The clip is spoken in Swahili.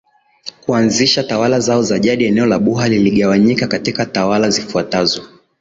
Kuanzisha tawala zao za jadi eneo la buha liligawanyika katika tawala zifuatazo